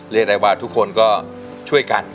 เรียกได้ว่าทุกคนก็ช่วยกัน